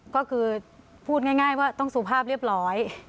ก็คือพูดง่ายว่าต้องสุภาพเรียบร้อย